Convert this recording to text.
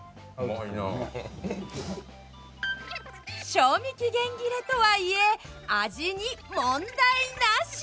賞味期限切れとはいえ味に問題なし。